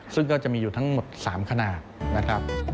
ซึ่งก็จะมีอยู่ทั้งหมด๓ขนาดนะครับ